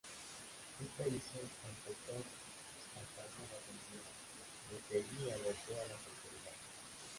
Esta hizo autoestop hasta a una gasolinera y desde allí alertó a las autoridades.